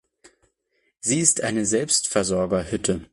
Sie ist eine Selbstversorgerhütte.